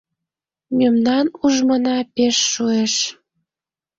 Мемнан ужмына пеш шуэш.